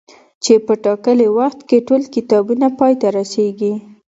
چي په ټاکلي وخت کي ټول کتابونه پاي ته رسيږي